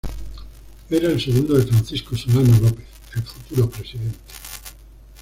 Era el segundo de Francisco Solano López, el futuro presidente.